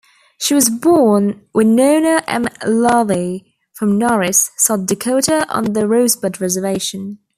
She was born Winona M. Larvie from Norris, South Dakota on the Rosebud Reservation.